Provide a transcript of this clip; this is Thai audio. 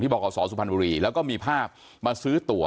บอกขอสอสุพรรณบุรีแล้วก็มีภาพมาซื้อตัว